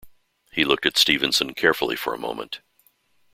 He looked at Stevenson carefully for a moment.